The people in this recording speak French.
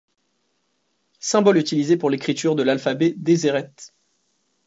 Symboles utilisés pour l'écriture de l’alphabet déséret.